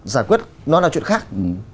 giải quyết nó là chuyện khác